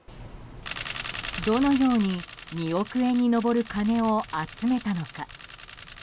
どのように２億円に上る金を集めたのか。